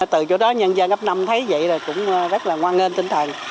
từ chỗ đó nhân dân ấp năm thấy vậy là cũng rất là hoan nghênh tinh thần